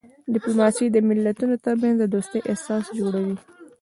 ډیپلوماسي د ملتونو ترمنځ د دوستۍ اساس جوړوي.